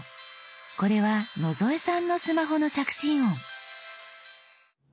これは野添さんのスマホの着信音。